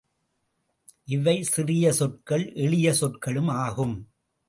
இவை சிறிய சொற்கள், எளிய சொற்களும் ஆகும்.